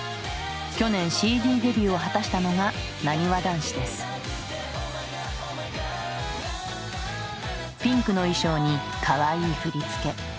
去年ＣＤデビューを果たしたのがピンクの衣装にかわいい振り付け。